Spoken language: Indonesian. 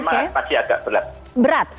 memang masih agak berat